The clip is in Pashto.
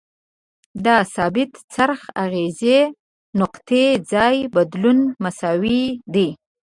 د ثابت څرخ اغیزې نقطې ځای بدلول مساوي دي.